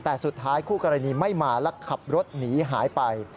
แต่สุดท้ายคู่กรณีไม่มาและขับรถหนีหายไป